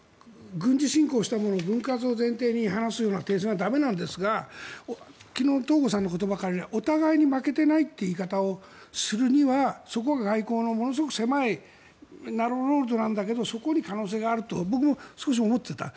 軍事侵攻したもの分割を前提に話すような停戦は駄目なんですが昨日の東郷さんの言葉を借りればお互いに負けていないという言い方をするにはそこが外交の狭い道なんだけど僕も少し思っていた。